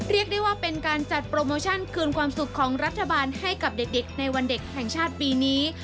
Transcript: เรียกได้ว่าเป็นการจัดโปรโมชั่นคืนความสุขของรัฐบาลให้กับเด็กในวันเด็กแห่งชาติปีนี้